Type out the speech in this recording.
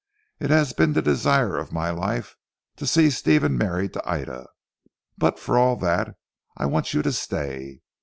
it has been the desire of my life to see Stephen married to Ida, but for all that, I want you to stay.